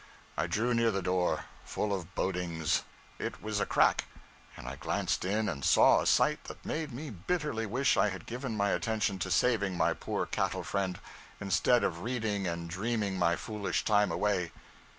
I drew near the door, full of bodings. It was a crack, and I glanced in and saw a sight that made me bitterly wish I had given my attention to saving my poor cattle friend, instead of reading and dreaming my foolish time away.